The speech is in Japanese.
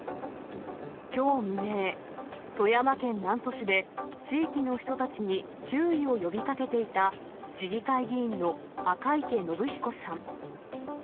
きょう未明、富山県南砺市で、地域の人たちに注意を呼びかけていた市議会議員の赤池伸彦さん。